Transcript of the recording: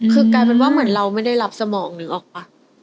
คือกลายเป็นว่าเหมือนเราไม่ได้รับสมองนึกออกป่ะ